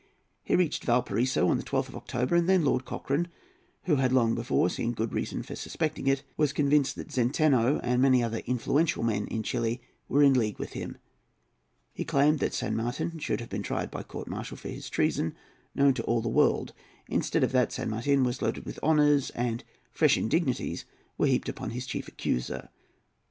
He reached Valparaiso on the 12th of October, and then Lord Cochrane, who had long before seen good reasons for suspecting it, was convinced that Zenteno and many other influential men in Chili were in league with him. He claimed that San Martin should be tried by court martial for his treasons, known to all the world. Instead of that San Martin was loaded with honours, and fresh indignities were heaped upon his chief accuser.